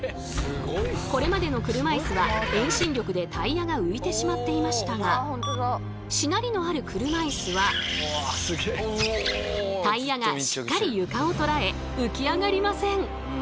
これまでの車いすは遠心力でタイヤが浮いてしまっていましたがしなりのある車いすはタイヤがしっかり床を捉え浮き上がりません！